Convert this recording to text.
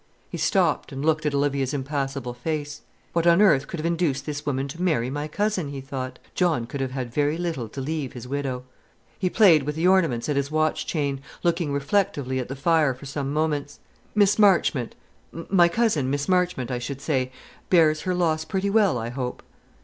He stopped, and looked at Olivia's impassible face. "What on earth could have induced this woman to marry my cousin?" he thought. "John could have had very little to leave his widow." He played with the ornaments at his watch chain, looking reflectively at the fire for some moments. "Miss Marchmont, my cousin, Mary Marchmont, I should say, bears her loss pretty well, I hope?"